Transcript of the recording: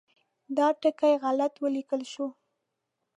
دا ټکی غلط ولیکل شو.